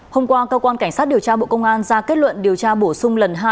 hôm qua cơ quan cảnh sát điều tra bộ công an ra kết luận điều tra bổ sung lần hai